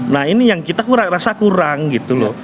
nah ini yang kita rasa kurang gitu loh